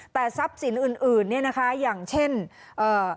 แต่ทรัพย์สินอื่นอื่นเนี้ยนะคะอย่างเช่นเอ่อ